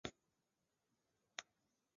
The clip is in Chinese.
地面喷泉一直停用至今。